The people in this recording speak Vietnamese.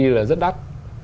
là rất đắt